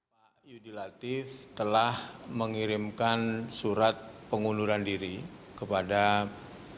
pak yudi latif telah mengirimkan surat pengunduran diri kepada presiden